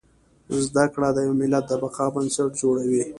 زده کړه د يو ملت د بقا بنسټ جوړوي